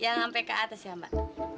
jangan sampai ke atas ya mbak